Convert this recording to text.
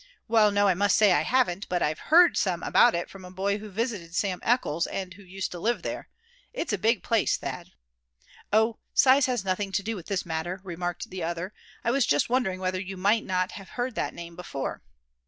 "Well, no, I must say I haven't; but I've heard some about it from a boy who visited Sim Eckles, and who used to live there. It's a big place, Thad." "Oh! size has nothing to do with this matter," remarked the other. "I was just wondering whether you might not have heard that name before."